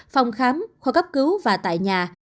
phòng khám kho cấp cứu và tại nhà